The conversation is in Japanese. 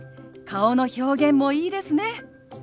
顔の表現もいいですね。